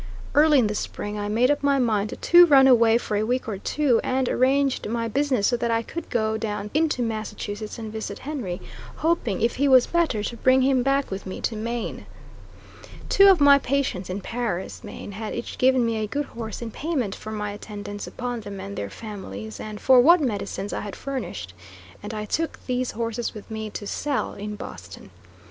Early in the spring I made up my mind to run away for a week or two, and arranged my business so that I could go down into Massachusetts and visit Henry, hoping, if he was better, to bring him back with me to Maine. Two of my patients in Paris, Maine, had each given me a good horse in payment for my attendance upon them and their families, and for what medicines I had furnished, and I took these horses with me to sell in Boston.